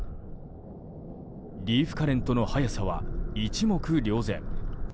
リーフカレントの速さは一目瞭然。